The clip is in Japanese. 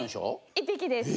１匹です。